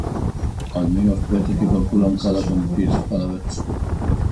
Admiro os poetas que calculan cada contido, cada verso.